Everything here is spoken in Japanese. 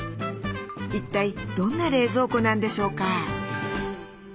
一体どんな冷蔵庫なんでしょうか？